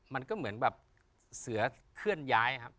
มันก็เหมือนแบบเสือเคลื่อนย้ายครับ